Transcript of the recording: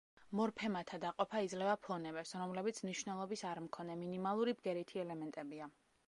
მორფემათა დაყოფა იძლევა ფონემებს, რომლებიც მნიშვნელობის არმქონე, მინიმალური ბგერითი ელემენტებია.